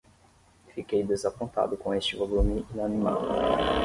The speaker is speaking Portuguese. Fiquei desapontado com este volume inanimado.